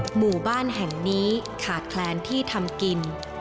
หมู่บ้านแห่งนี้ขาดแคลนที่ทำกิน